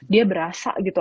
dia berasa gitu